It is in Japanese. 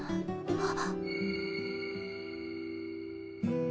あっ。